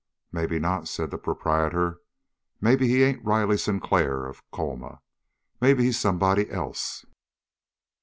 "Maybe not," said the proprietor. "Maybe he ain't Riley Sinclair of Colma; maybe he's somebody else."